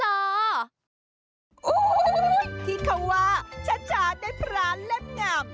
โอ้โหที่เขาว่าช้าได้พระเล่มงาม